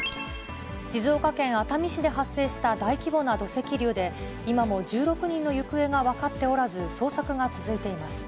静岡県熱海市で発生した大規模な土石流で、今も１６人の行方が分かっておらず捜索が続いています。